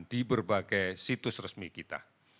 di berbagai situs resmi kita